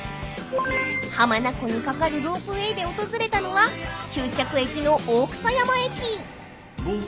［浜名湖に架かるロープウエーで訪れたのは終着駅の大草山駅］